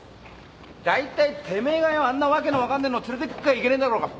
大体てめえがよあんな訳の分かんないの連れてくっからいけねえんだろうが。